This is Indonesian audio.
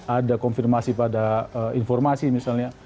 ada konfirmasi pada informasi misalnya